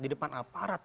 di depan aparat